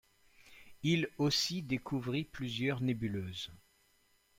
Il aussi découvrit plusieurs nébuleuses.